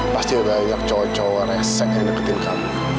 pasti udah banyak cowok cowok resek yang deketin kamu